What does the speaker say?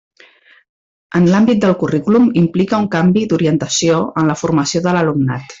En l'àmbit del currículum implica un canvi d'orientació en la formació de l'alumnat.